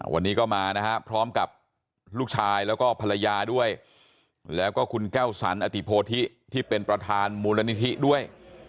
วันนี้ก็มานะฮะพร้อมกับลูกชายแล้วก็ภรรยาด้วยแล้วก็คุณแก้วสันอติโพธิที่เป็นประธานมูลนิธิด้วย